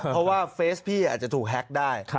เพราะว่าเฟสพี่อาจจะถูกแฮ็กได้